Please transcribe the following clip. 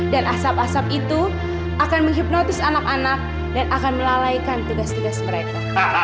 dan asap asap itu akan menghipnotis anak anak dan akan melalaikan tugas tugas mereka